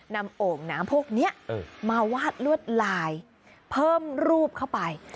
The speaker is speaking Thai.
โอ่งน้ำพวกนี้มาวาดลวดลายเพิ่มรูปเข้าไป